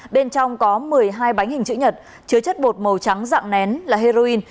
bên trong có một mươi hai bánh hình chữ nhật chứa chất bột màu trắng dạng nén là heroin